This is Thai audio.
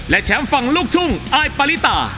และแชมป์ฝั่งลูกทุ่งอายปริตา